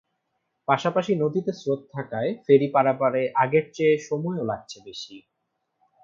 পাশাপাশি নদীতে স্রোত থাকায় ফেরি পারাপারে আগের চেয়ে সময়ও লাগছে বেশি।